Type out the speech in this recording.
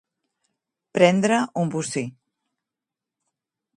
Prendre un bocí.